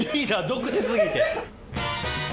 独自過ぎて。